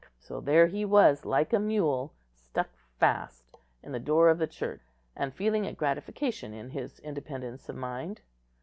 So there he was, like a mule, struck fast in the door of the Church, and feeling a gratification in his independence of mind.